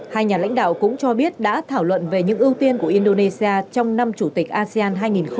hai nhà lãnh đạo cũng cho biết đã thảo luận về những ưu tiên của indonesia trong năm chủ tịch asean hai nghìn hai mươi